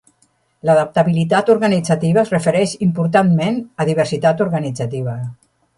L'adaptabilitat organitzativa es refereix importantment a diversitat organitzativa.